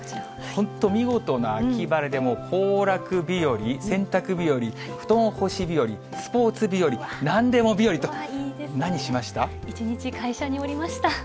本当、見事な秋晴れで、行楽日和、洗濯日和、布団干し日和、スポーツ日和、なんでも日和一日会社におりました。